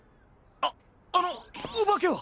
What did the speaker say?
あっあのおばけは？